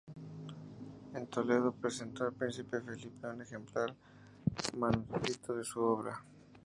En Toledo presentó al príncipe Felipe un ejemplar manuscrito de su obra.